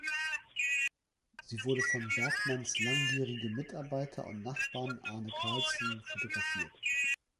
Sie wurde von Bergmans langjährigem Mitarbeiter und Nachbarn Arne Carlsson fotografiert.